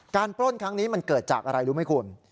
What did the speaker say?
ปล้นครั้งนี้มันเกิดจากอะไรรู้ไหมคุณ